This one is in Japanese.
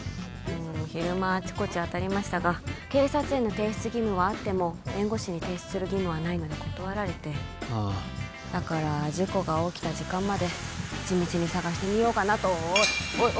うん昼間あちこち当たりましたが警察への提出義務はあっても弁護士に提出する義務はないので断られてああだから事故が起きた時間まで地道に捜してみようかなとおい